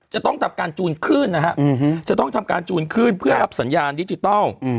จะต้องทำการจูนขึ้นนะฮะจะต้องทำการจูนขึ้นเพื่อรับสัญญาณดิจิทัล